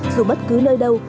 dù bất cứ nơi đâu